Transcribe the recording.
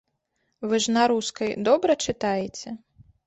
Вы ж на рускай добра чытаеце?